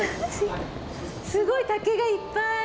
すごい竹がいっぱい！